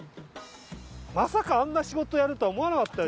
まさかあんな仕事やるとは思わなかったよ